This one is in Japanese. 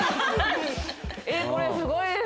えっこれすごいです。